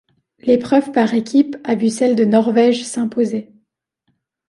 L'épreuve par équipes a vu celle de Norvège s'imposer.